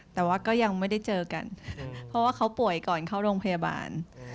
แต่ว่าก็ยังไม่ได้เจอกันเพราะว่าเขาป่วยก่อนเข้าโรงพยาบาล